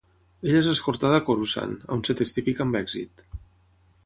Ella és escortada a Coruscant, on es testifica amb èxit.